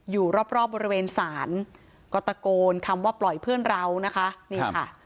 อยู่รอบรอบบริเวณศาลก็ตะโกนคำว่าปล่อยเพื่อนเรานะคะนี่ค่ะ